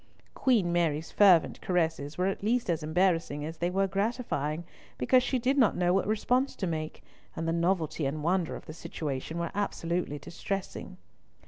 Queen Mary's fervent caresses were at least as embarrassing as they were gratifying, because she did not know what response to make, and the novelty and wonder of the situation were absolutely distressing.